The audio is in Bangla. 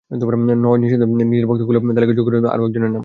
নওয়াজ নিঃসন্দেহে নিজের ভক্তকুলের তালিকায় যোগ করে নিলেন আরও অনেকজনের নাম।